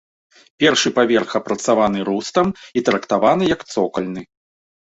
Першы паверх апрацаваны рустам і трактаваны як цокальны.